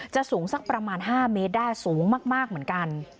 สูงสักประมาณ๕เมตรได้สูงมากเหมือนกัน